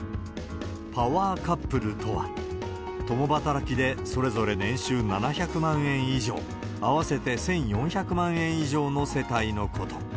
パワーカップルとは、共働きでそれぞれ年収７００万円以上、合わせて１４００万円以上の世帯のこと。